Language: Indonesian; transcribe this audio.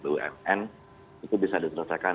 bumn itu bisa diterapkan